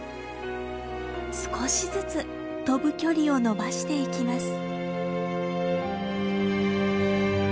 少しずつ飛ぶ距離を伸ばしていきます。